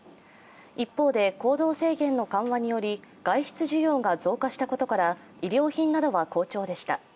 一方で、行動制限の緩和により外出需要が増加したことなどから衣料品などは好調でした。